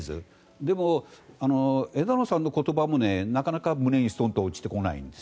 でも、枝野さんの言葉もなかなか胸にストンと落ちてこない。